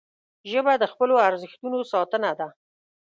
ژبه د خپلو ارزښتونو ساتنه ده